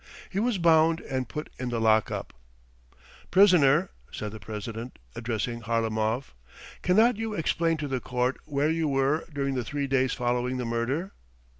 He was bound and put in the lock up. "Prisoner," said the president, addressing Harlamov, "cannot you explain to the court where you were during the three days following the murder?"